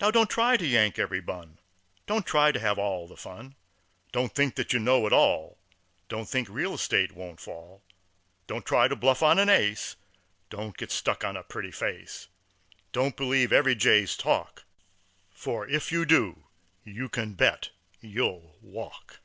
Now, don't try to yank every bun, Don't try to have all the fun, Don't think that you know it all, Don't think real estate won't fall, Don't try to bluff on an ace, Don't get stuck on a pretty face, Don't believe every jay's talk For if you do you can bet you'll walk!